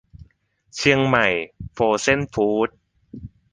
เชียงใหม่โฟรเซ่นฟู้ดส์